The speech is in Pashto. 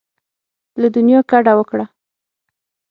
له دنیا کډه وکړه.